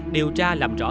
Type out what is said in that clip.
điều tra làm rõ vụ án